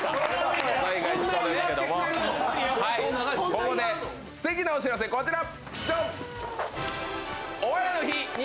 ここですてきなお知らせ、こちら！